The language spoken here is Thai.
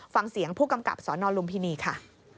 ฟังเสียงผู้กำกับสนลุมพินีค่ะ